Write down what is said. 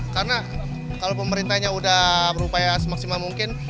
karena kalau pemerintahnya sudah berupaya semaksimal mungkin